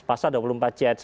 pasal dua puluh empat j